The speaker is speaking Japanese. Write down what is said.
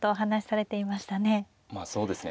まあそうですね